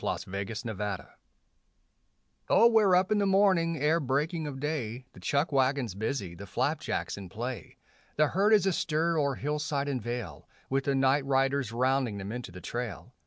THE RAILROAD CORRAL Oh we're up in the morning ere breaking of day, The chuck wagon's busy, the flapjacks in play; The herd is astir o'er hillside and vale, With the night riders rounding them into the trail.